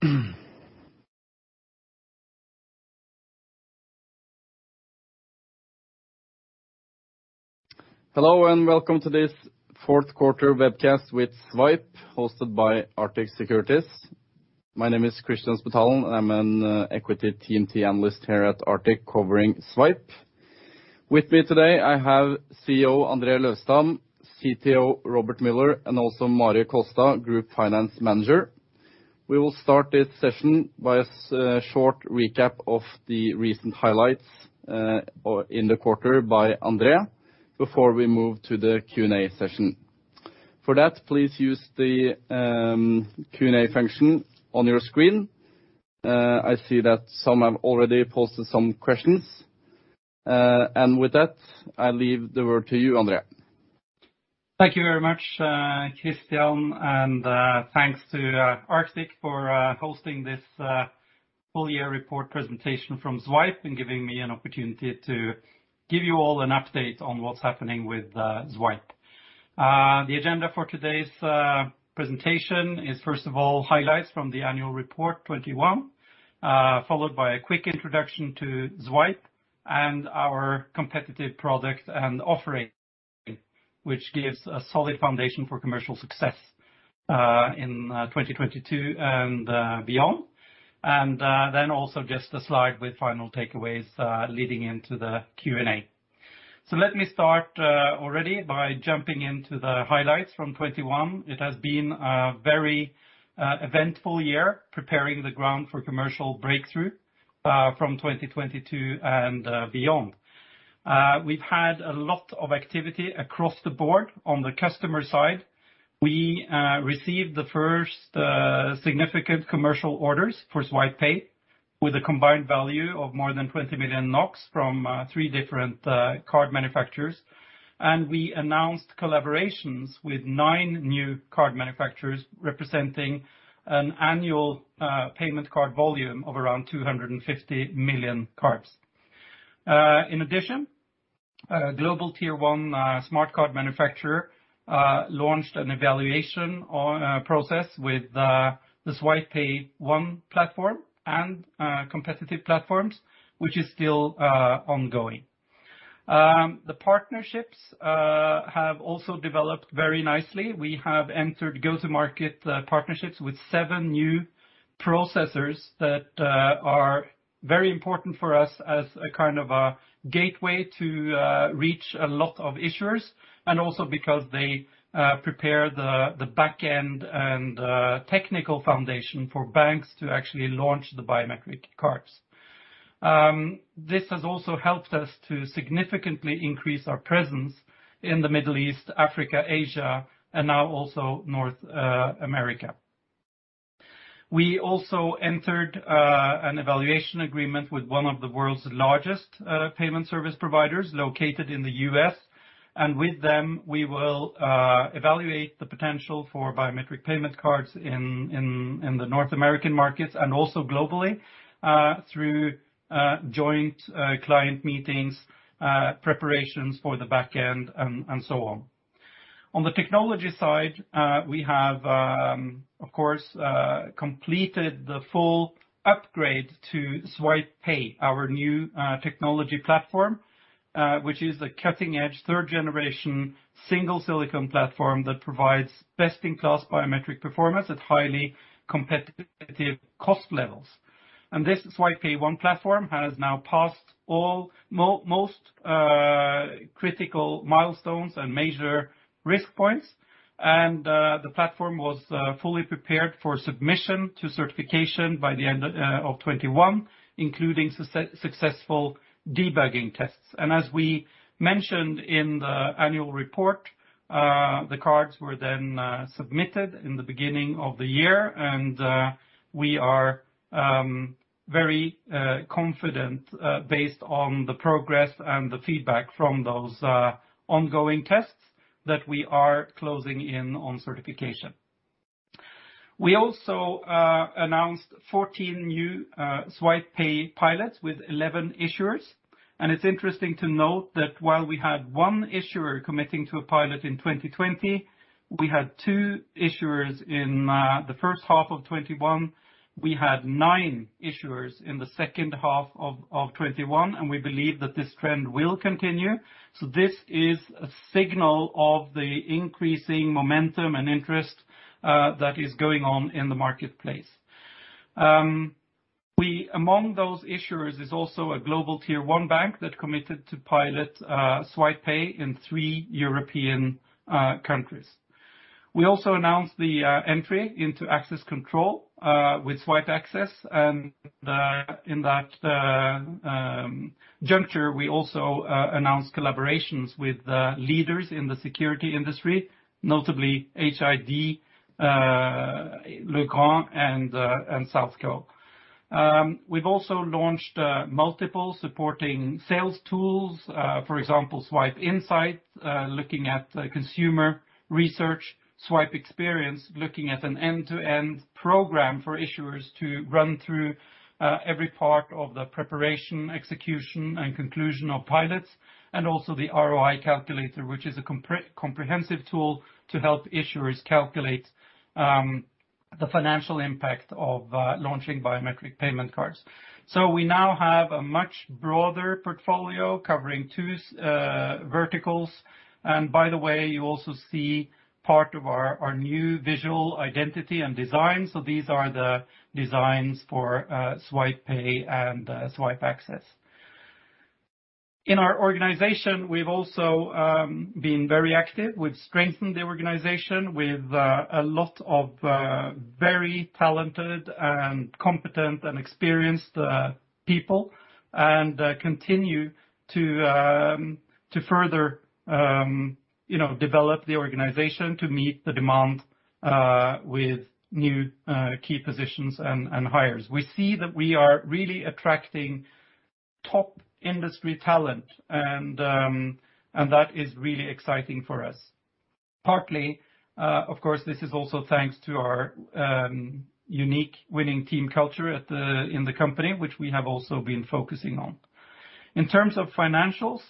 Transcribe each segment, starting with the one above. Hello, welcome to this Q4 webcast with Zwipe, hosted by Arctic Securities. My name is Kristian Spetalen. I'm an equity TMT analyst here at Arctic covering Zwipe. With me today, I have CEO André Løvestam, CTO Robert Puskaric, and also Marit Kolstad, Group Finance Manager. We will start this session by a short recap of the recent highlights or in the quarter by André, before we move to the Q&A session. For that, please use the Q&A function on your screen. I see that some have already posted some questions. With that, I leave the word to you, André. Thank you very much, Kristian, and thanks to Arctic for hosting this full-year report presentation from Zwipe and giving me an opportunity to give you all an update on what's happening with Zwipe. The agenda for today's presentation is first of all highlights from the annual report 2021, followed by a quick introduction to Zwipe and our competitive products and offering, which gives a solid foundation for commercial success in 2022 and beyond. Also just a slide with final takeaways leading into the Q&A. Let me start already by jumping into the highlights from 2021. It has been a very eventful year preparing the ground for commercial breakthrough from 2022 and beyond. We've had a lot of activity across the board on the customer side. We received the first significant commercial orders for Zwipe Pay with a combined value of more than 20 million NOK from three different card manufacturers. We announced collaborations with nine new card manufacturers, representing an annual payment card volume of around 250 million cards. In addition, a global tier one smart card manufacturer launched an evaluation process with the Zwipe Pay ONE platform and competitive platforms, which is still ongoing. The partnerships have also developed very nicely. We have entered go-to-market partnerships with seven new processors that are very important for us as a kind of a gateway to reach a lot of issuers, and also because they prepare the backend and technical foundation for banks to actually launch the biometric cards. This has also helped us to significantly increase our presence in the Middle East, Africa, Asia, and now also North America. We also entered an evaluation agreement with one of the world's largest payment service providers located in the U.S. With them, we will evaluate the potential for biometric payment cards in the North American markets and also globally through joint client meetings, preparations for the back end, and so on. On the technology side, we have, of course, completed the full upgrade to Zwipe Pay, our new technology platform, which is a cutting-edge third generation single silicon platform that provides best in class biometric performance at highly competitive cost levels. This Zwipe Pay one platform has now passed most critical milestones and major risk points. The platform was fully prepared for submission to certification by the end of 2021, including successful debugging tests. As we mentioned in the annual report, the cards were then submitted in the beginning of the year, and we are very confident based on the progress and the feedback from those ongoing tests that we are closing in on certification. We also announced 14 new Zwipe Pay pilots with 11 issuers. It's interesting to note that while we had one issuer committing to a pilot in 2020, we had two issuers in the H1 of 2021. We had nine issuers in the H2 of 2021, and we believe that this trend will continue. This is a signal of the increasing momentum and interest that is going on in the marketplace. Among those issuers is also a global tier one bank that committed to pilot Zwipe Pay in three European countries. We also announced the entry into access control with Zwipe Access. In that juncture, we also announced collaborations with leaders in the security industry, notably HID, Legrand, and Southco. We've also launched multiple supporting sales tools, for example, Zwipe Insight, looking at consumer research, Zwipe Experience, looking at an end-to-end program for issuers to run through every part of the preparation, execution, and conclusion of pilots, and also the ROI calculator, which is a comprehensive tool to help issuers calculate the financial impact of launching biometric payment cards. We now have a much broader portfolio covering two verticals. By the way, you also see part of our new visual identity and design. These are the designs for Zwipe Pay and Zwipe Access. In our organization, we've also been very active. We've strengthened the organization with a lot of very talented and competent and experienced people and continue to further you know develop the organization to meet the demand with new key positions and hires. We see that we are really attracting top industry talent and that is really exciting for us. Partly, of course, this is also thanks to our unique winning team culture in the company, which we have also been focusing on. In terms of financials,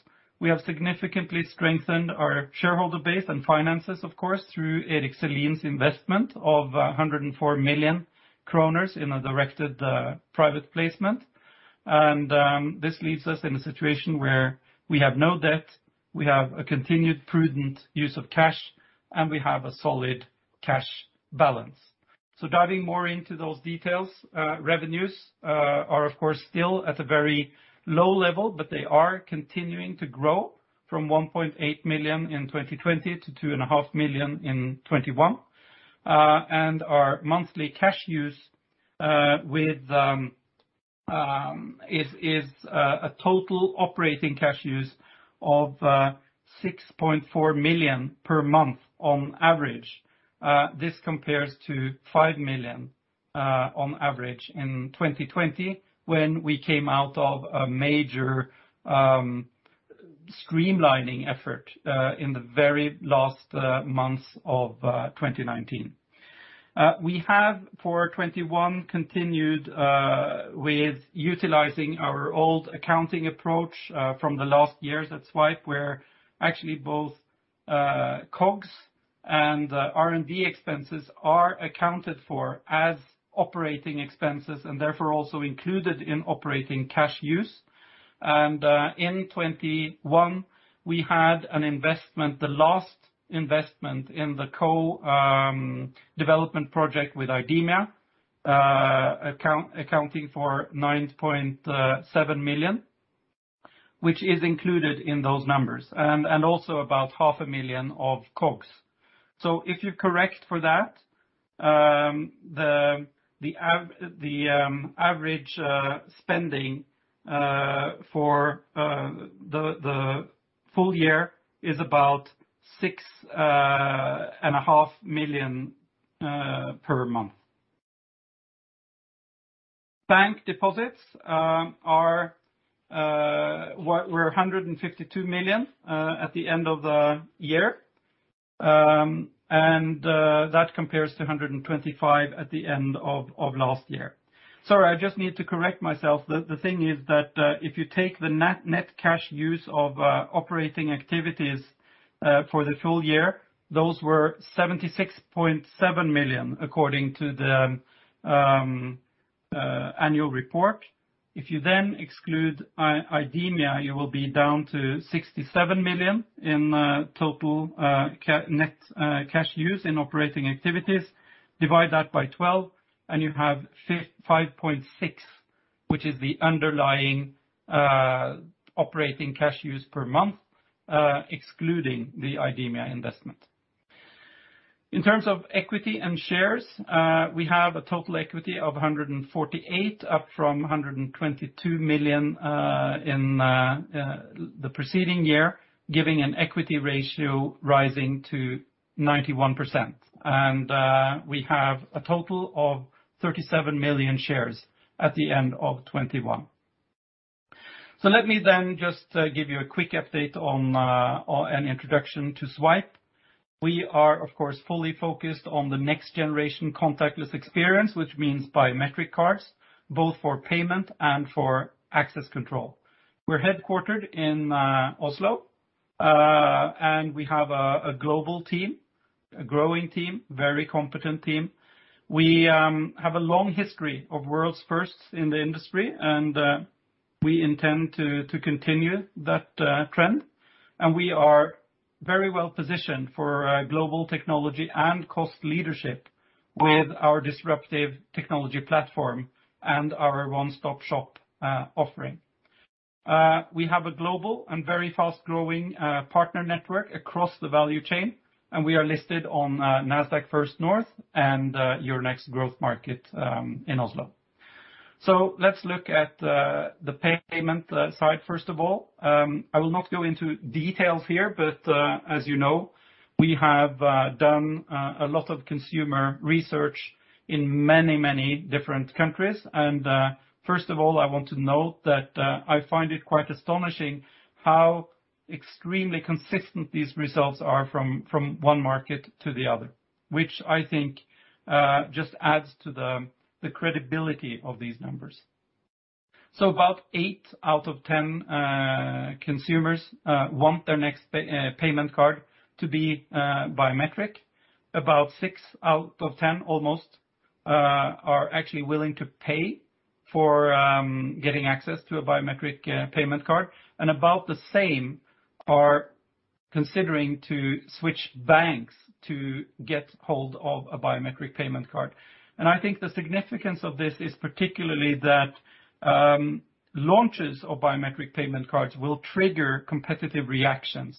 we have significantly strengthened our shareholder base and finances, of course, through Erik Selin's investment of 104 million kroner in a directed private placement. This leaves us in a situation where we have no debt, we have a continued prudent use of cash, and we have a solid cash balance. Diving more into those details, revenues are of course still at a very low level, but they are continuing to grow from 1.8 million in 2020 to 2.5 million in 2021. Our monthly cash use is a total operating cash use of 6.4 million per month on average. This compares to 5 million on average in 2020 when we came out of a major streamlining effort in the very last months of 2019. We have, for 2021, continued with utilizing our old accounting approach from the last years at Zwipe, where actually both COGS and R&D expenses are accounted for as operating expenses and therefore also included in operating cash use. In 2021, we had an investment, the last investment in the development project with IDEMIA, accounting for 9.7 million, which is included in those numbers, and also about NOK half a million of COGS. If you correct for that, the average spending for the full year is about six and a half million NOK per month. Bank deposits are what were 152 million at the end of the year. That compares to 125 million at the end of last year. Sorry, I just need to correct myself. The thing is that if you take the net cash use of operating activities for the full year, those were 76.7 million according to the annual report. If you then exclude IDEMIA, you will be down to 67 million in total net cash use in operating activities. Divide that by 12, and you have 5.6 million, which is the underlying operating cash use per month, excluding the IDEMIA investment. In terms of equity and shares, we have a total equity of 148 million, up from 122 million in the preceding year, giving an equity ratio rising to 91%. We have a total of 37 million shares at the end of 2021. Let me just give you a quick update on an introduction to Zwipe. We are, of course, fully focused on the next generation contactless experience, which means biometric cards, both for payment and for access control. We're headquartered in Oslo, and we have a global team, a growing team, very competent team. We have a long history of world's firsts in the industry, and we intend to continue that trend. We are very well-positioned for global technology and cost leadership with our disruptive technology platform and our one-stop shop offering. We have a global and very fast-growing partner network across the value chain, and we are listed on Nasdaq First North and Euronext Growth Oslo in Oslo. Let's look at the payment side first of all. I will not go into details here, but as you know, we have done a lot of consumer research in many different countries. First of all, I want to note that I find it quite astonishing how extremely consistent these results are from one market to the other, which I think just adds to the credibility of these numbers. About eight out of ten consumers want their next payment card to be biometric. About six out of ten almost are actually willing to pay for getting access to a biometric payment card, and about the same are considering to switch banks to get hold of a biometric payment card. I think the significance of this is particularly that launches of biometric payment cards will trigger competitive reactions.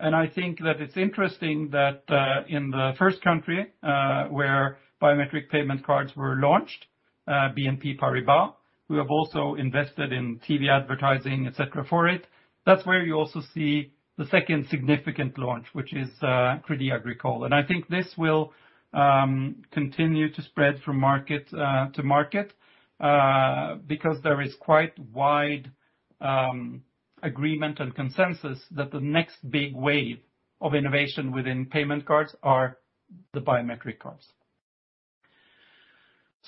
I think that it's interesting that, in the first country, where biometric payment cards were launched, BNP Paribas, who have also invested in TV advertising, et cetera, for it, that's where you also see the second significant launch, which is, Crédit Agricole. I think this will continue to spread from market to market, because there is quite wide agreement and consensus that the next big wave of innovation within payment cards are the biometric cards.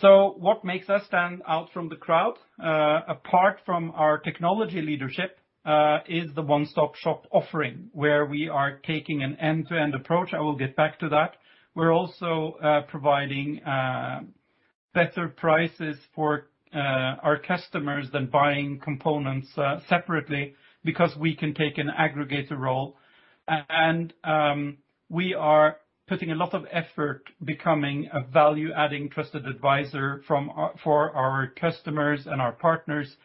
What makes us stand out from the crowd, apart from our technology leadership, is the one-stop shop offering, where we are taking an end-to-end approach. I will get back to that. We're also providing better prices for our customers than buying components separately, because we can take an aggregator role. We are putting a lot of effort becoming a value-adding trusted advisor for our customers and our partners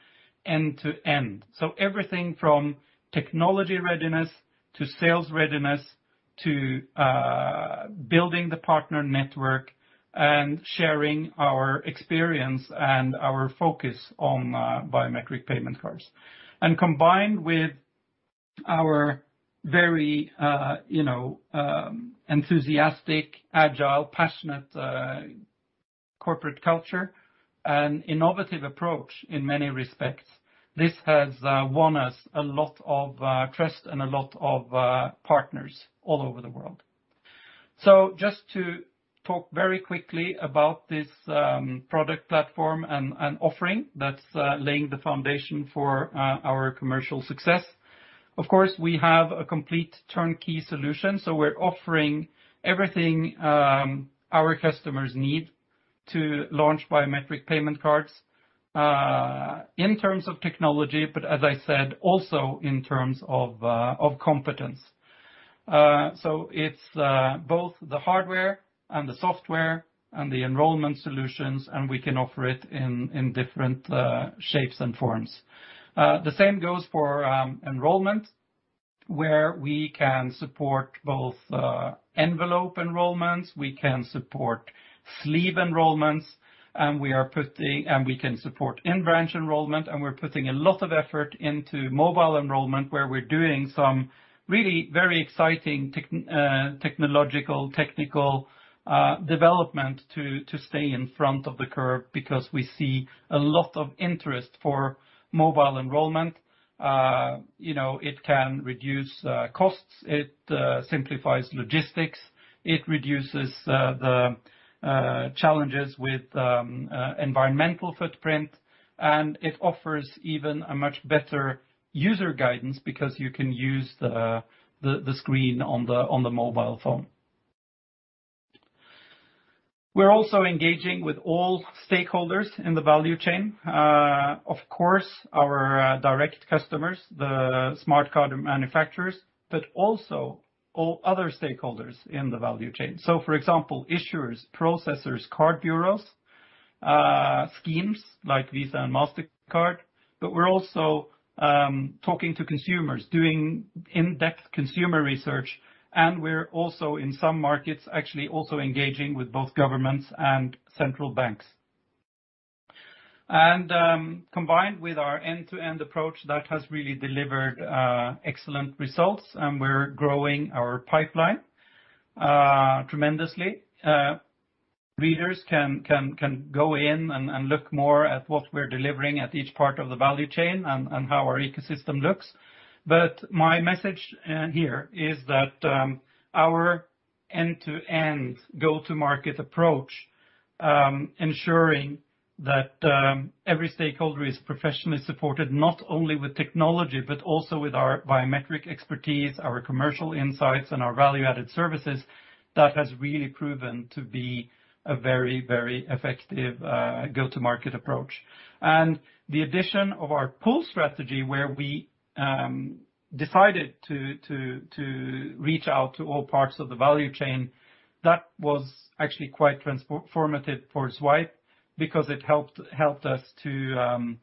end-to-end. Everything from technology readiness to sales readiness to building the partner network and sharing our experience and our focus on biometric payment cards. Combined with our very you know enthusiastic, agile, passionate corporate culture and innovative approach in many respects, this has won us a lot of trust and a lot of partners all over the world. Just to talk very quickly about this product platform and offering that's laying the foundation for our commercial success. Of course, we have a complete turnkey solution, so we're offering everything our customers need to launch biometric payment cards in terms of technology, but as I said, also in terms of competence. It's both the hardware and the software and the enrollment solutions, and we can offer it in different shapes and forms. The same goes for enrollment, where we can support both envelope enrollments, we can support sleeve enrollments, and we can support in-branch enrollment, and we're putting a lot of effort into mobile enrollment, where we're doing some really very exciting technical development to stay ahead of the curve because we see a lot of interest for mobile enrollment. You know, it can reduce costs, it simplifies logistics, it reduces the challenges with environmental footprint, and it offers even a much better user guidance because you can use the screen on the mobile phone. We're also engaging with all stakeholders in the value chain. Of course, our direct customers, the smart card manufacturers, but also all other stakeholders in the value chain. So for example, issuers, processors, card bureaus, schemes like Visa and Mastercard, but we're also talking to consumers, doing in-depth consumer research, and we're also in some markets, actually also engaging with both governments and central banks. Combined with our end-to-end approach, that has really delivered excellent results, and we're growing our pipeline tremendously. Readers can go in and look more at what we're delivering at each part of the value chain and how our ecosystem looks. My message here is that our end-to-end go-to-market approach, ensuring that every stakeholder is professionally supported, not only with technology, but also with our biometric expertise, our commercial insights, and our value-added services, has really proven to be a very effective go-to-market approach. The addition of our pull strategy, where we decided to reach out to all parts of the value chain, was actually quite transformative for Zwipe, because it helped us to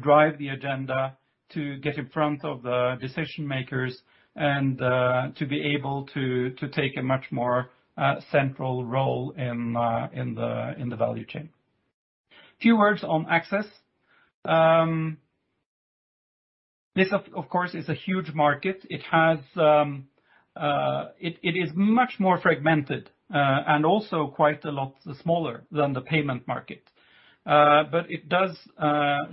drive the agenda, to get in front of the decision-makers and to be able to take a much more central role in the value chain. A few words on access. This, of course, is a huge market. It is much more fragmented, and also quite a lot smaller than the payment market. It does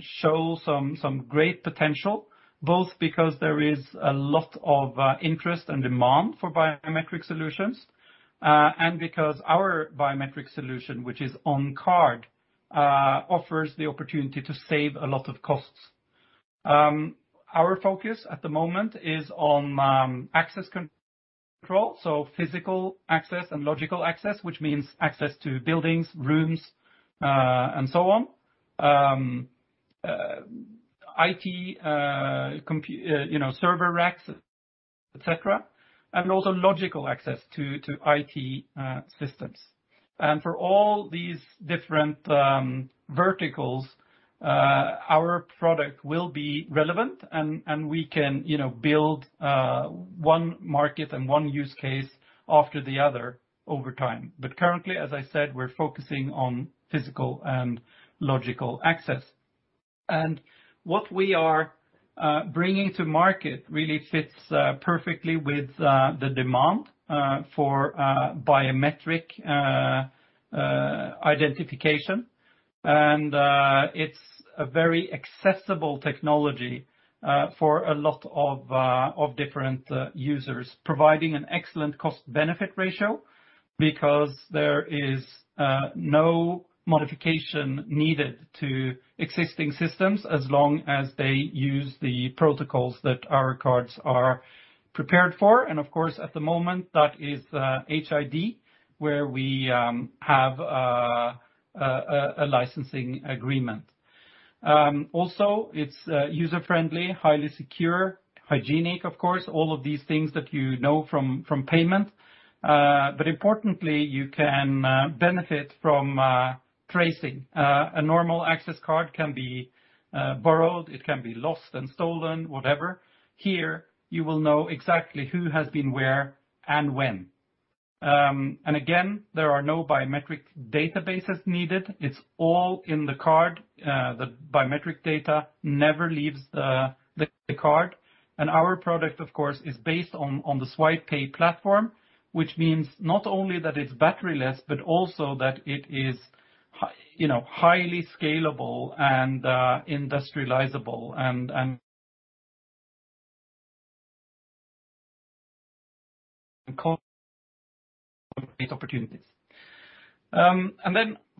show some great potential, both because there is a lot of interest and demand for biometric solutions, and because our biometric solution, which is on card, offers the opportunity to save a lot of costs. Our focus at the moment is on access control, physical access and logical access, which means access to buildings, rooms, and so on, IT, you know, server racks, et cetera, and also logical access to IT systems. For all these different verticals, our product will be relevant and we can, you know, build one market and one use case after the other over time. Currently, as I said, we're focusing on physical and logical access. What we are bringing to market really fits perfectly with the demand for biometric identification. It's a very accessible technology for a lot of different users, providing an excellent cost-benefit ratio because there is no modification needed to existing systems as long as they use the protocols that our cards are prepared for. Of course, at the moment, that is HID, where we have a licensing agreement. Also, it's user-friendly, highly secure, hygienic, of course, all of these things that you know from payment. But importantly, you can benefit from tracing. A normal access card can be borrowed, it can be lost and stolen, whatever. Here, you will know exactly who has been where and when. Again, there are no biometric databases needed. It's all in the card. The biometric data never leaves the card. Our product, of course, is based on the Zwipe Pay platform, which means not only that it's batteryless, but also that it is, you know, highly scalable and industrializable and cost opportunities.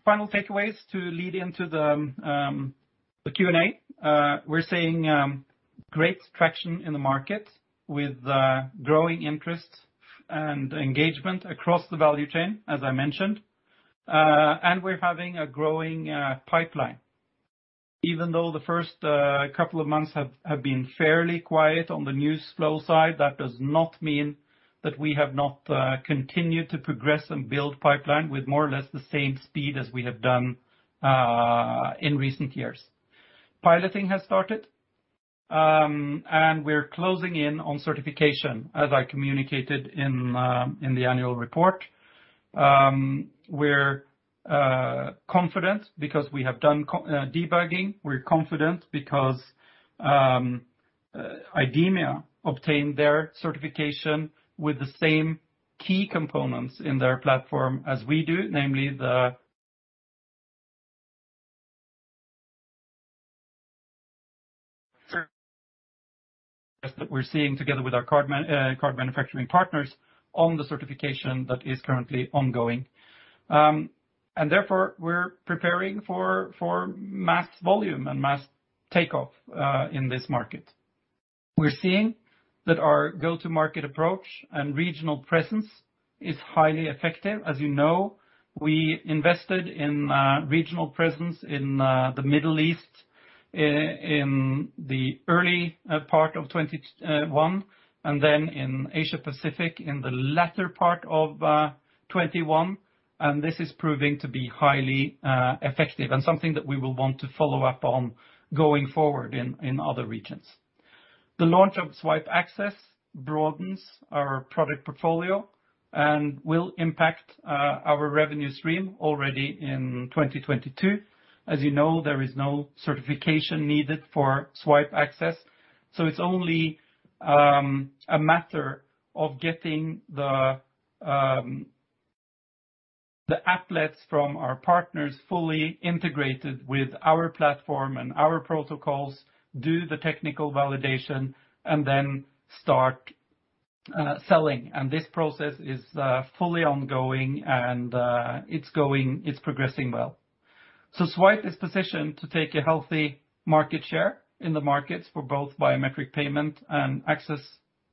Final takeaways to lead into the Q&A. We're seeing great traction in the market with growing interest and engagement across the value chain, as I mentioned. We're having a growing pipeline. Even though the first couple of months have been fairly quiet on the news flow side, that does not mean that we have not continued to progress and build pipeline with more or less the same speed as we have done in recent years. Piloting has started, and we're closing in on certification, as I communicated in the annual report. We're confident because we have done co-debugging. We're confident because IDEMIA obtained their certification with the same key components in their platform as we do, namely that we're seeing together with our card manufacturing partners on the certification that is currently ongoing. Therefore, we're preparing for mass volume and mass takeoff in this market. We're seeing that our go-to-market approach and regional presence is highly effective. As you know, we invested in regional presence in the Middle East in the early part of 2021, and then in Asia-Pacific in the latter part of 2021, and this is proving to be highly effective and something that we will want to follow up on going forward in other regions. The launch of Zwipe Access broadens our product portfolio and will impact our revenue stream already in 2022. As you know, there is no certification needed for Zwipe Access. It's only a matter of getting the applets from our partners fully integrated with our platform and our protocols, do the technical validation, and then start selling. This process is fully ongoing and it's progressing well. Zwipe is positioned to take a healthy market share in the markets for both biometric payment and access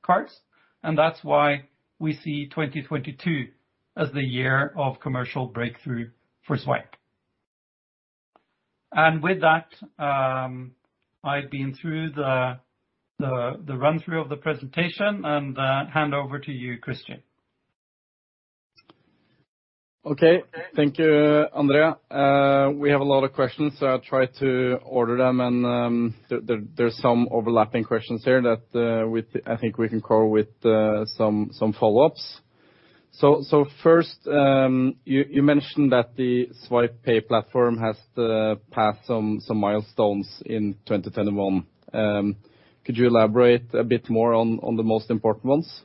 cards. That's why we see 2022 as the year of commercial breakthrough for Zwipe. With that, I've been through the run-through of the presentation and hand over to you, Kristian. Okay. Thank you, André. We have a lot of questions. I'll try to order them and there's some overlapping questions here that I think we can cover with some follow-ups. First, you mentioned that the Zwipe Pay platform has passed some milestones in 2021. Could you elaborate a bit more on the most important ones?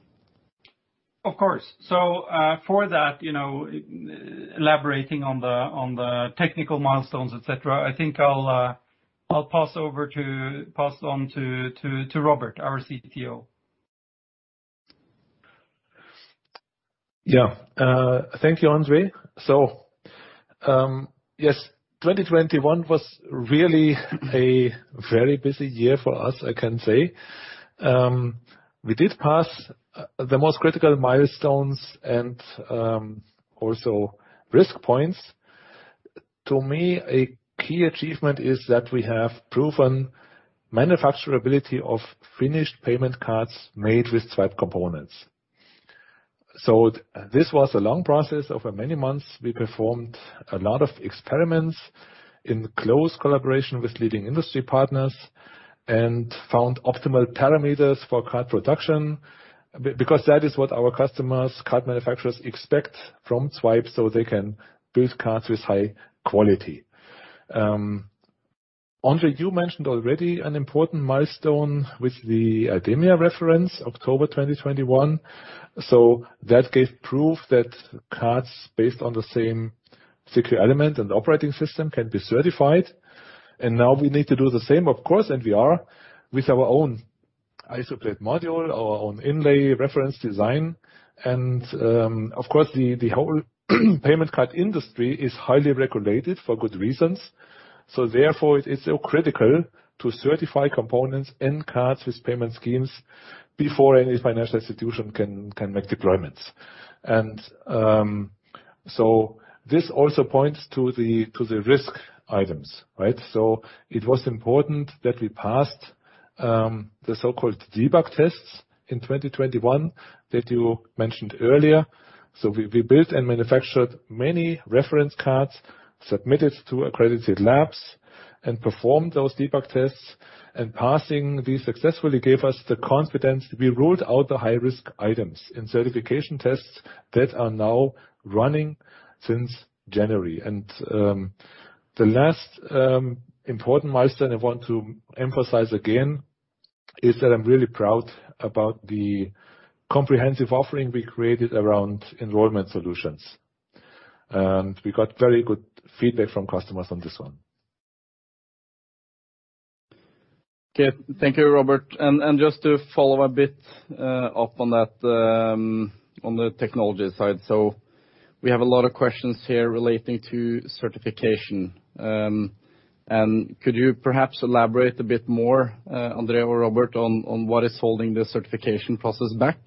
Of course. For that, you know, elaborating on the technical milestones, et cetera, I think I'll pass on to Robert, our CTO. Thank you, André. Yes, 2021 was really a very busy year for us, I can say. We did pass the most critical milestones and also risk points. To me, a key achievement is that we have proven manufacturability of finished payment cards made with Zwipe components. This was a long process. Over many months, we performed a lot of experiments in close collaboration with leading industry partners and found optimal parameters for card production. Because that is what our customers, card manufacturers expect from Zwipe, so they can build cards with high quality. André, you mentioned already an important milestone with the IDEMIA reference October 2021. That gave proof that cards based on the same secure element and operating system can be certified. Now we need to do the same, of course, and we are with our own ISO contact plate module, our own inlay reference design. Of course, the whole payment card industry is highly regulated for good reasons. Therefore it is so critical to certify components and cards with payment schemes before any financial institution can make deployments. This also points to the risk items, right? It was important that we passed the so-called debug tests in 2021 that you mentioned earlier. We built and manufactured many reference cards, submitted to accredited labs, and performed those debug tests. Passing these successfully gave us the confidence. We ruled out the high risk items in certification tests that are now running since January. The last important milestone I want to emphasize again is that I'm really proud about the comprehensive offering we created around enrollment solutions. We got very good feedback from customers on this one. Okay. Thank you, Robert. Just to follow a bit up on that on the technology side. We have a lot of questions here relating to certification. Could you perhaps elaborate a bit more, André or Robert, on what is holding the certification process back?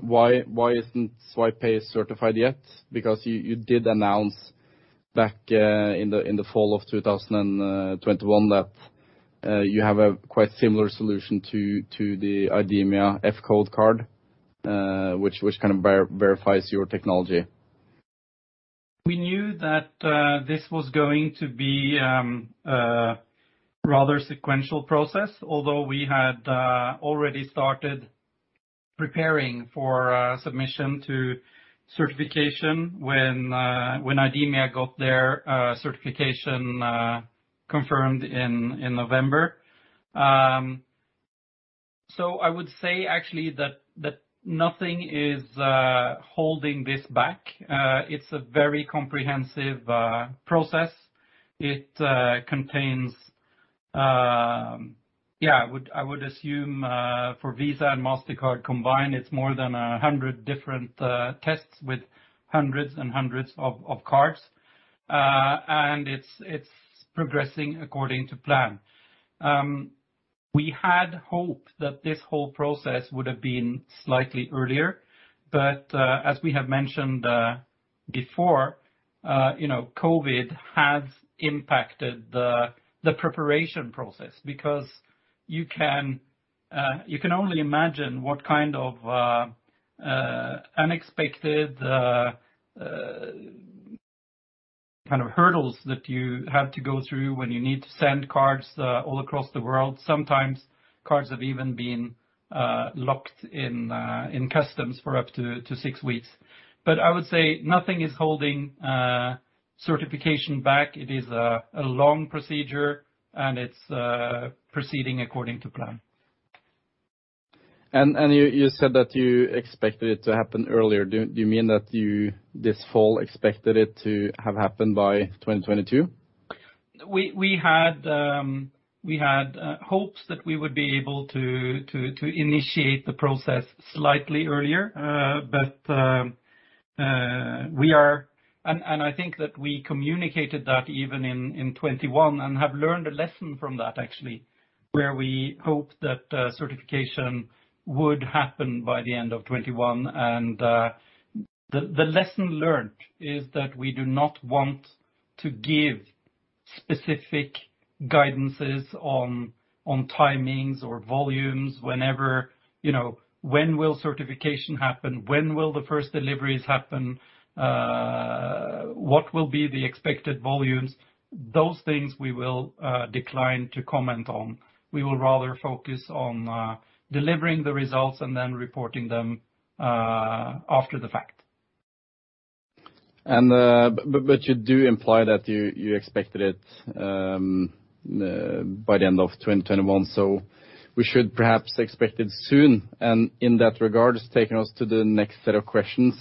Why isn't Zwipe Pay certified yet? Because you did announce back in the fall of 2021 that you have a quite similar solution to the IDEMIA F.CODE card, which kind of verifies your technology. We knew that this was going to be rather sequential process. Although we had already started preparing for submission to certification when IDEMIA got their certification confirmed in November. I would say actually that nothing is holding this back. It's a very comprehensive process. It contains. Yeah, I would assume for Visa and Mastercard combined, it's more than 100 different tests with hundreds and hundreds of cards. It's progressing according to plan. We had hoped that this whole process would have been slightly earlier, but as we have mentioned before, you know, COVID has impacted the preparation process because you can only imagine what kind of unexpected kind of hurdles that you have to go through when you need to send cards all across the world. Sometimes cards have even been locked in customs for up to six weeks. I would say nothing is holding certification back. It is a long procedure, and it's proceeding according to plan. You said that you expected it to happen earlier. Do you mean that you, this fall, expected it to have happened by 2022? We had hopes that we would be able to initiate the process slightly earlier, but I think that we communicated that even in 2021 and have learned a lesson from that actually, where we hope that certification would happen by the end of 2021. The lesson learned is that we do not want to give specific guidance on timings or volumes. You know, when will certification happen? When will the first deliveries happen? What will be the expected volumes? Those things we will decline to comment on. We will rather focus on delivering the results and then reporting them after the fact. But you do imply that you expected it by the end of 2021, so we should perhaps expect it soon. In that regard, it's taking us to the next set of questions.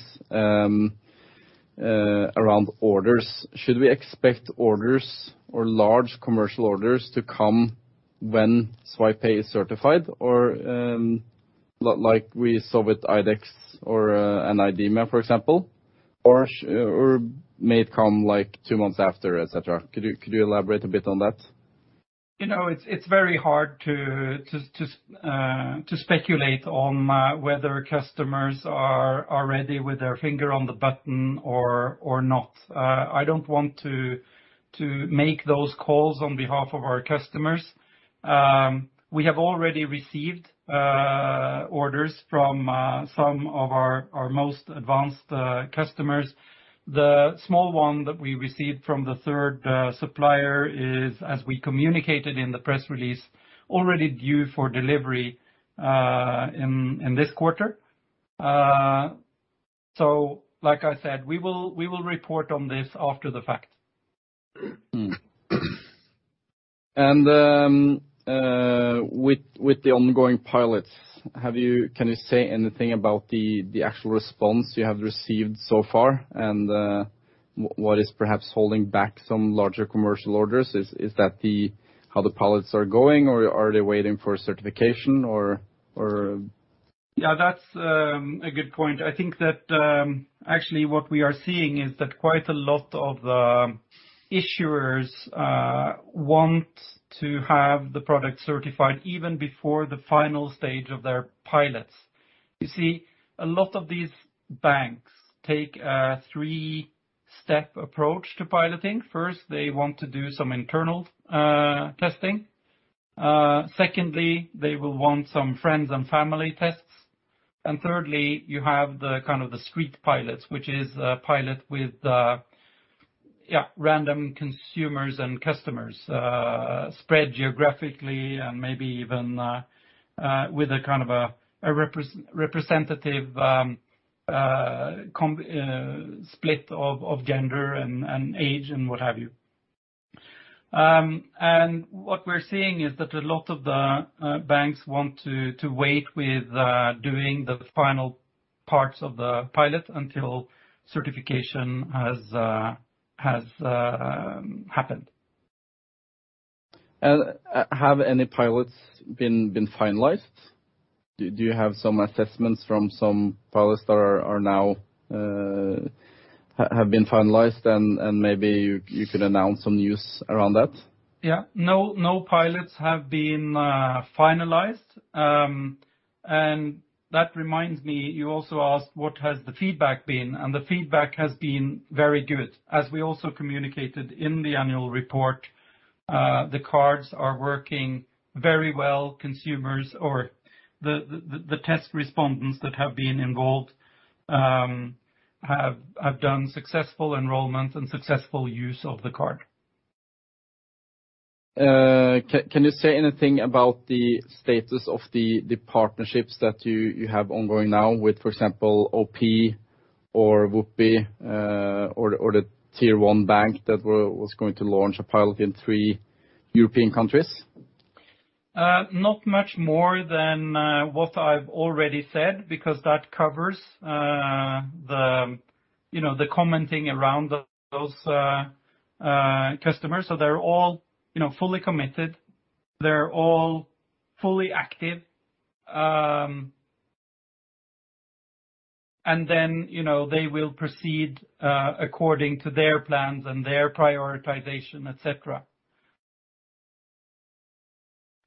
Around orders, should we expect orders or large commercial orders to come when Zwipe Pay is certified or, like we saw with IDEX or IDEMIA, for example? Or may it come like two months after, et cetera. Could you elaborate a bit on that? You know, it's very hard to speculate on whether customers are ready with their finger on the button or not. I don't want to make those calls on behalf of our customers. We have already received orders from some of our most advanced customers. The small one that we received from the third supplier is, as we communicated in the press release, already due for delivery in this quarter. So like I said, we will report on this after the fact. With the ongoing pilots, can you say anything about the actual response you have received so far and what is perhaps holding back some larger commercial orders? Is that how the pilots are going, or are they waiting for certification? Yeah, that's a good point. I think that actually what we are seeing is that quite a lot of issuers want to have the product certified even before the final stage of their pilots. You see, a lot of these banks take a three-step approach to piloting. First, they want to do some internal testing. Secondly, they will want some friends and family tests. Thirdly, you have the kind of street pilots, which is a pilot with random consumers and customers spread geographically and maybe even with a kind of a representative split of gender and age and what have you. What we're seeing is that a lot of the banks want to wait with doing the final parts of the pilot until certification has happened. Have any pilots been finalized? Do you have some assessments from some pilots that are now have been finalized, and maybe you could announce some news around that? Yeah. No, no pilots have been finalized. That reminds me, you also asked what has the feedback been, and the feedback has been very good. As we also communicated in the annual report, the cards are working very well. Consumers or the test respondents that have been involved have done successful enrollment and successful use of the card. Can you say anything about the status of the partnerships that you have ongoing now with, for example, OP or Vuppi, or the tier one bank that was going to launch a pilot in three European countries? Not much more than what I've already said, because that covers you know the commenting around those customers. They're all you know fully committed, they're all fully active, and then you know they will proceed according to their plans and their prioritization, et cetera.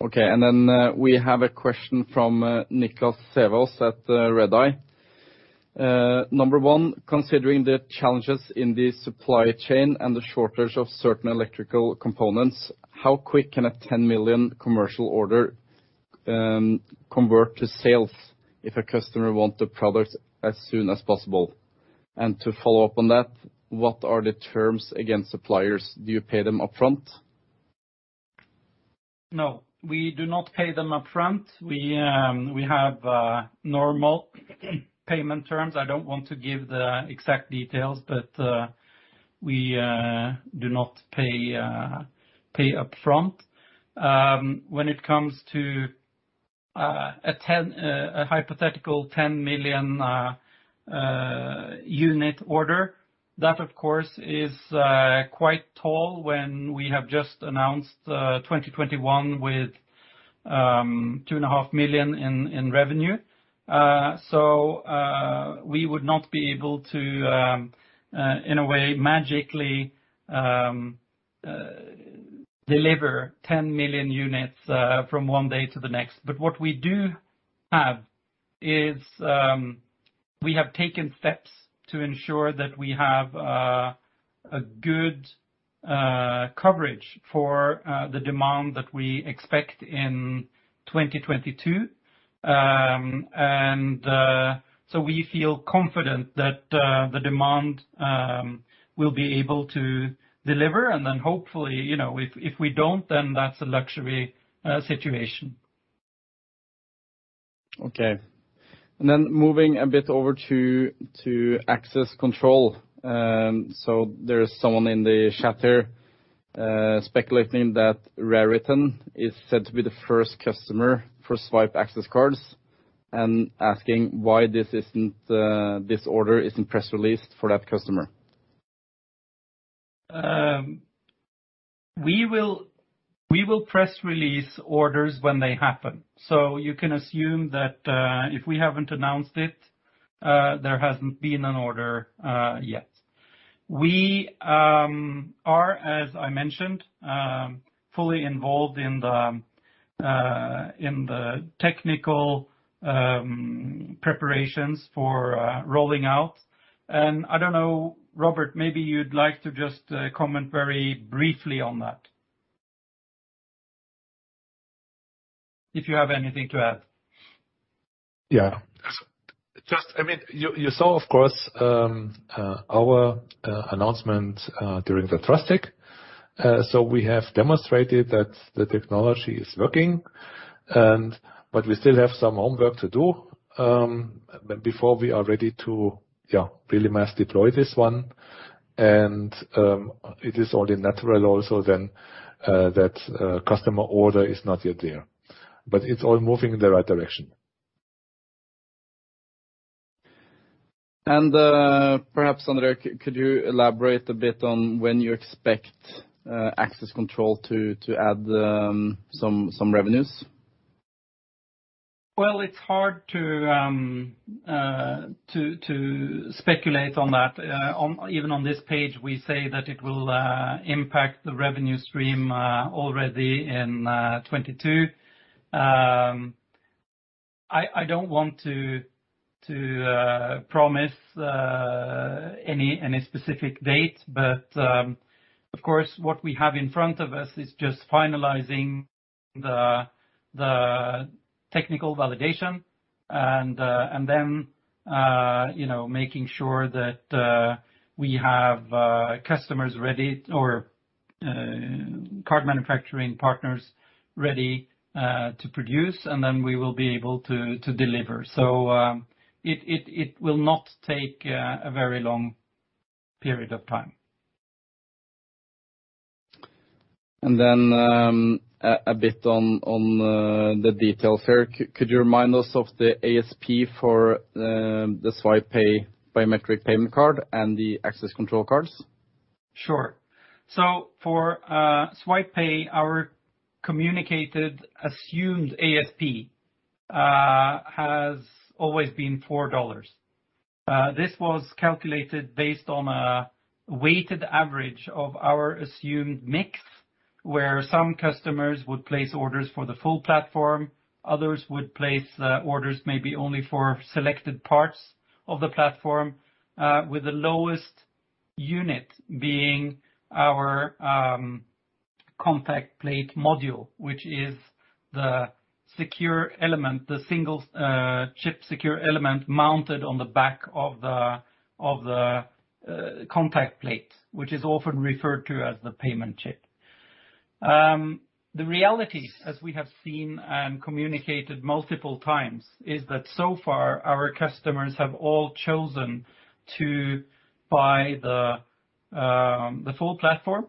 Okay. Then we have a question from Niklas Sävås at Redeye. Number one, considering the challenges in the supply chain and the shortage of certain electrical components, how quick can a 10 million commercial order convert to sales if a customer wants the product as soon as possible? To follow up on that, what are the terms against suppliers? Do you pay them upfront? No, we do not pay them upfront. We have normal payment terms. I don't want to give the exact details, but we do not pay upfront. When it comes to a hypothetical 10 million unit order, that, of course, is quite a tall order when we have just announced 2021 with 2.5 million in revenue. We would not be able to, in a way, magically deliver 10 million units from one day to the next. What we do have is we have taken steps to ensure that we have a good coverage for the demand that we expect in 2022. We feel confident that we will be able to deliver. Hopefully, you know, if we don't, then that's a luxury situation. Okay. Moving a bit over to access control. There is someone in the chat here speculating that Raritan is said to be the first customer for Zwipe Access cards. Asking why this order isn't press released for that customer. We will press release orders when they happen. You can assume that, if we haven't announced it, there hasn't been an order yet. We are, as I mentioned, fully involved in the technical preparations for rolling out. I don't know, Robert, maybe you'd like to just comment very briefly on that. If you have anything to add. Just, I mean, you saw, of course, our announcement during the TRUSTECH. We have demonstrated that the technology is working, but we still have some homework to do before we are ready to really mass deploy this one. It is only natural also then that customer order is not yet there, but it's all moving in the right direction. Perhaps, André, could you elaborate a bit on when you expect access control to add some revenues? Well, it's hard to speculate on that. Even on this page, we say that it will impact the revenue stream already in 2022. I don't want to promise any specific date, but of course, what we have in front of us is just finalizing the technical validation and then, you know, making sure that we have customers ready or card manufacturing partners ready to produce, and then we will be able to deliver. It will not take a very long period of time. A bit on the details here. Could you remind us of the ASP for the Zwipe Pay biometric payment card and the access control cards? Sure. For Zwipe Pay, our communicated assumed ASP has always been $4. This was calculated based on a weighted average of our assumed mix, where some customers would place orders for the full platform, others would place orders maybe only for selected parts of the platform, with the lowest unit being our contact plate module, which is the secure element, the single chip secure element mounted on the back of the contact plate, which is often referred to as the payment chip. The reality, as we have seen and communicated multiple times, is that so far our customers have all chosen to buy the full platform,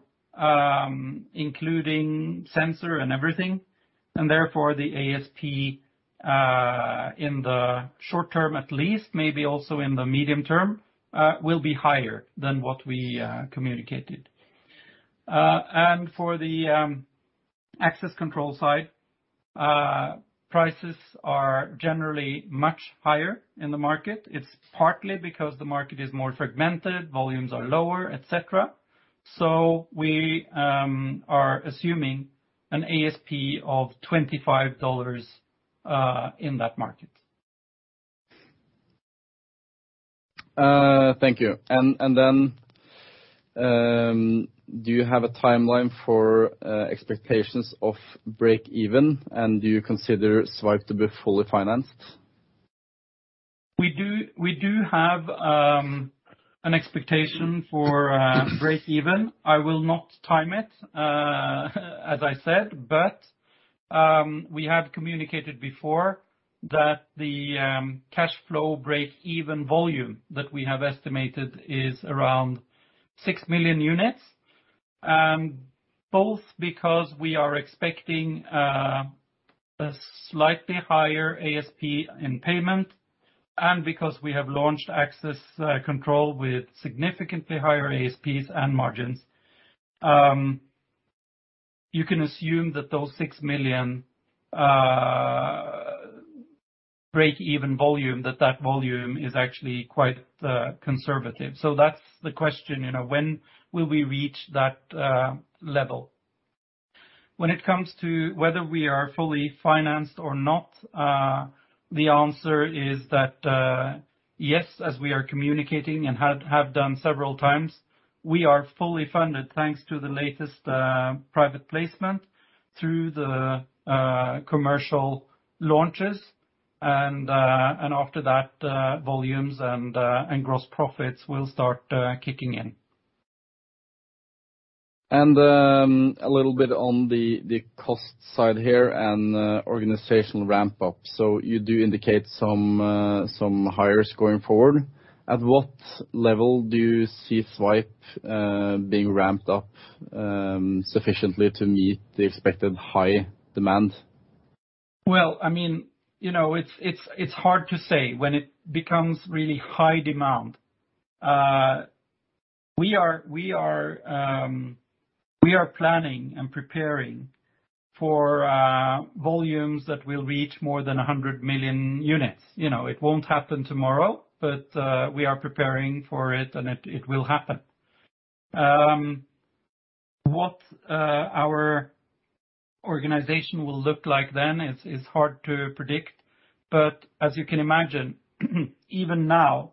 including sensor and everything. Therefore, the ASP in the short term at least, maybe also in the medium term, will be higher than what we communicated. For the access control side, prices are generally much higher in the market. It's partly because the market is more fragmented, volumes are lower, et cetera. We are assuming an ASP of $25 in that market. Thank you. Do you have a timeline for expectations of break-even? And do you consider Zwipe to be fully financed? We have an expectation for break-even. I will not time it, as I said. We have communicated before that the cash flow break-even volume that we have estimated is around 6 million units. Both because we are expecting a slightly higher ASP in payment and because we have launched access control with significantly higher ASPs and margins. You can assume that those 6 million break-even volume, that volume is actually quite conservative. That's the question, you know, when will we reach that level? When it comes to whether we are fully financed or not, the answer is that yes, as we are communicating and have done several times, we are fully funded thanks to the latest private placement through the commercial launches. After that, volumes and gross profits will start kicking in. A little bit on the cost side here and organizational ramp up. You do indicate some hires going forward. At what level do you see Zwipe being ramped up sufficiently to meet the expected high demand? Well, I mean, you know, it's hard to say when it becomes really high demand. We are planning and preparing for volumes that will reach more than 100 million units. You know, it won't happen tomorrow, but we are preparing for it and it will happen. What our organization will look like then is hard to predict. As you can imagine, even now,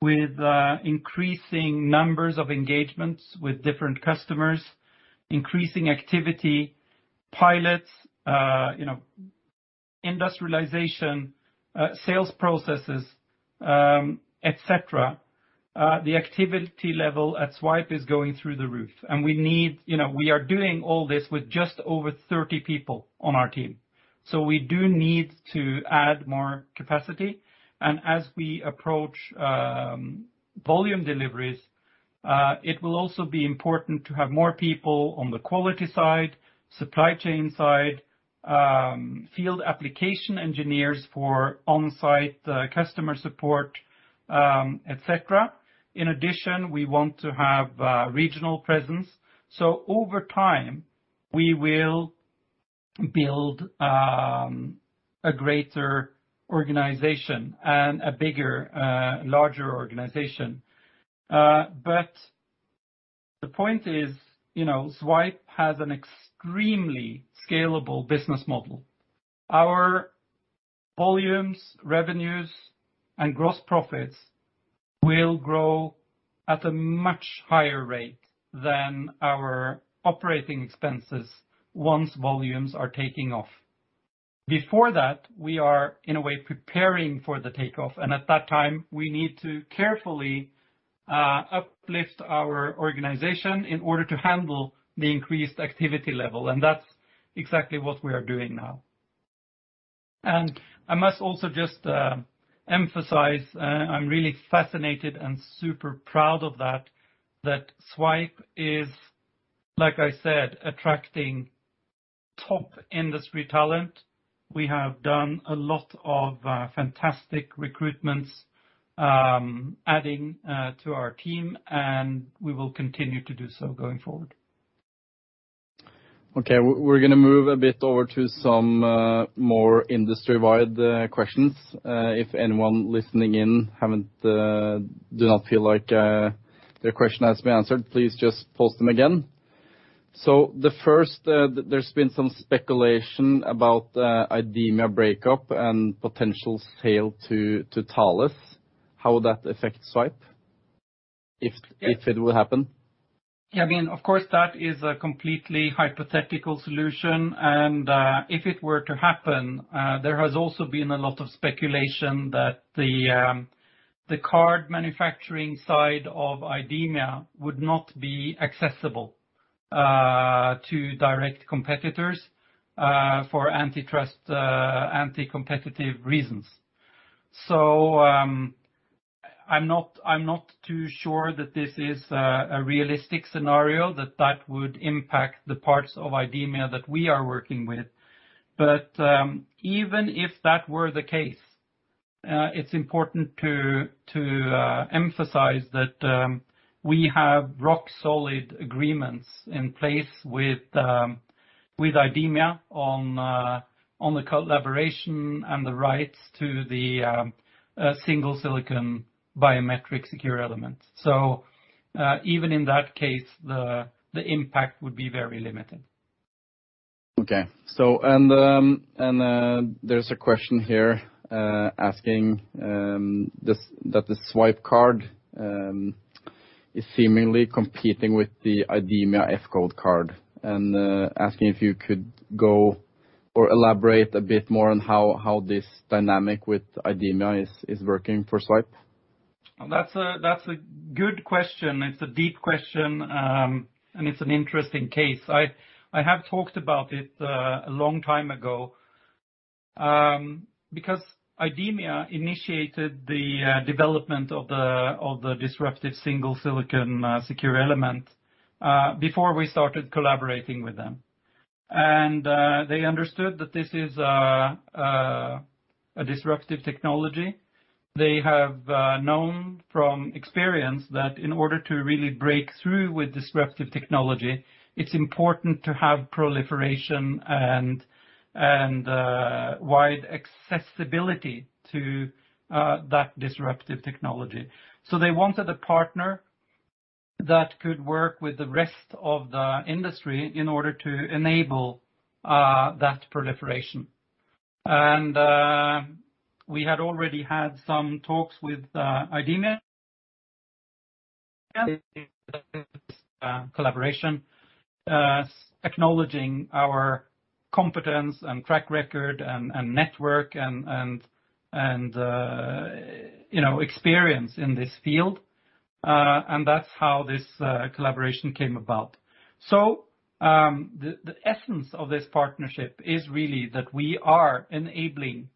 with increasing numbers of engagements with different customers, increasing activity, pilots, you know, industrialization, sales processes, et cetera, the activity level at Zwipe is going through the roof. We need more capacity. You know, we are doing all this with just over 30 people on our team. We do need to add more capacity. As we approach volume deliveries, it will also be important to have more people on the quality side, supply chain side, field application engineers for on-site customer support, et cetera. In addition, we want to have regional presence. Over time, we will build a greater organization and a bigger, larger organization. The point is, you know, Zwipe has an extremely scalable business model. Our volumes, revenues, and gross profits will grow at a much higher rate than our operating expenses once volumes are taking off. Before that, we are, in a way, preparing for the takeoff, and at that time, we need to carefully uplift our organization in order to handle the increased activity level, and that's exactly what we are doing now. I must also just emphasize, I'm really fascinated and super proud of that Zwipe is, like I said, attracting top industry talent. We have done a lot of fantastic recruitments, adding to our team, and we will continue to do so going forward. Okay. We're gonna move a bit over to some more industry-wide questions. If anyone listening in haven't do not feel like their question has been answered, please just post them again. The first, there's been some speculation about IDEMIA breakup and potential sale to Thales. How would that affect Zwipe if it will happen? Yeah. I mean, of course, that is a completely hypothetical solution, and if it were to happen, there has also been a lot of speculation that the card manufacturing side of IDEMIA would not be accessible to direct competitors for antitrust, anti-competitive reasons. I'm not too sure that this is a realistic scenario that would impact the parts of IDEMIA that we are working with. Even if that were the case, it's important to emphasize that we have rock-solid agreements in place with IDEMIA on the collaboration and the rights to the single silicon biometric secure element. Even in that case, the impact would be very limited. There's a question here asking that the Zwipe card is seemingly competing with the IDEMIA F.CODE card, and asking if you could go or elaborate a bit more on how this dynamic with IDEMIA is working for Zwipe. That's a good question. It's a deep question, and it's an interesting case. I have talked about it a long time ago, because IDEMIA initiated the development of the disruptive single silicon secure element before we started collaborating with them. They understood that this is a disruptive technology. They have known from experience that in order to really break through with disruptive technology, it's important to have proliferation and wide accessibility to that disruptive technology. They wanted a partner that could work with the rest of the industry in order to enable that proliferation. We had already had some talks with IDEMIA collaboration, acknowledging our competence and track record and you know, experience in this field. That's how this collaboration came about. The essence of this partnership is really that we are enabling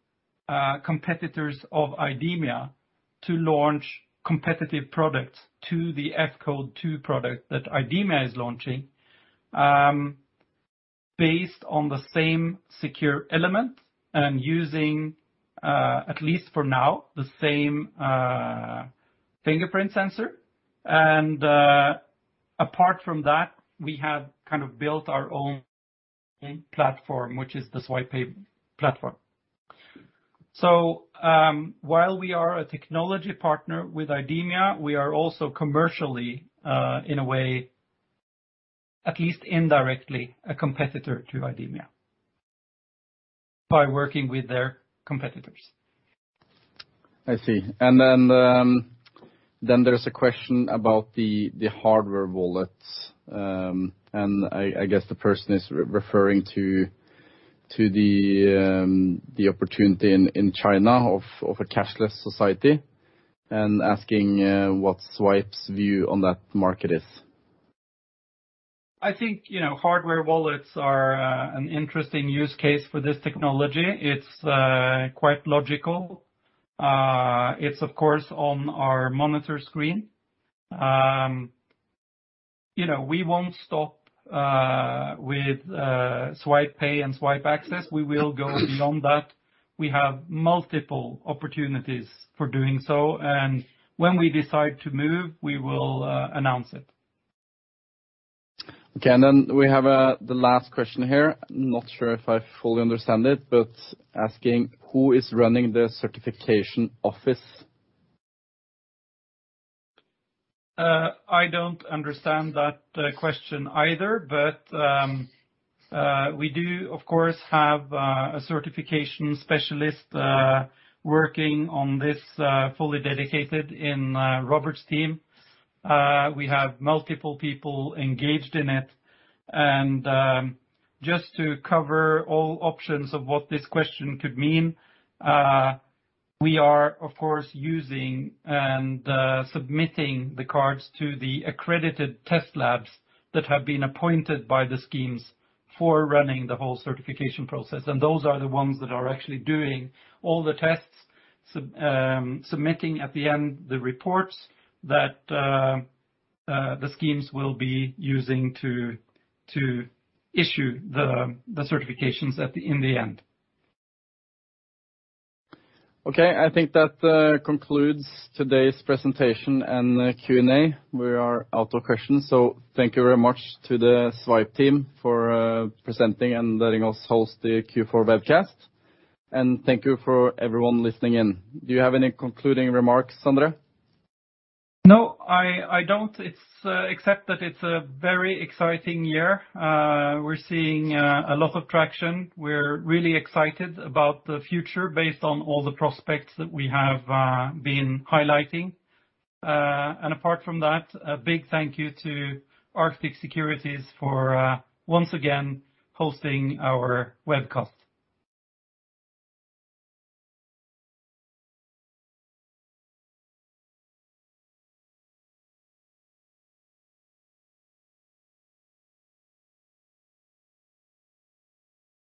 competitors of IDEMIA to launch competitive products to the F.CODE 2 product that IDEMIA is launching, based on the same secure element and using, at least for now, the same fingerprint sensor. Apart from that, we have kind of built our own platform, which is the Zwipe Pay platform. While we are a technology partner with IDEMIA, we are also commercially, in a way, at least indirectly, a competitor to IDEMIA by working with their competitors. I see. Then there's a question about the hardware wallets. I guess the person is referring to the opportunity in China of a cashless society and asking what Zwipe's view on that market is. I think, you know, hardware wallets are an interesting use case for this technology. It's quite logical. It's of course on our monitor screen. You know, we won't stop with Zwipe Pay and Zwipe Access. We will go beyond that. We have multiple opportunities for doing so, and when we decide to move, we will announce it. Okay. We have the last question here. Not sure if I fully understand it, but asking who is running the certification office? I don't understand that question either. We do, of course, have a certification specialist working on this fully dedicated in Robert's team. We have multiple people engaged in it. Just to cover all options of what this question could mean, we are of course using and submitting the cards to the accredited test labs that have been appointed by the schemes for running the whole certification process. Those are the ones that are actually doing all the tests, submitting at the end the reports that the schemes will be using to issue the certifications in the end. Okay. I think that concludes today's presentation and Q&A. We are out of questions, so thank you very much to the Zwipe team for presenting and letting us host the Q4 webcast. Thank you for everyone listening in. Do you have any concluding remarks, André? No, I don't. It's except that it's a very exciting year. We're seeing a lot of traction. We're really excited about the future based on all the prospects that we have been highlighting. Apart from that, a big thank you to Arctic Securities for once again hosting our webcast.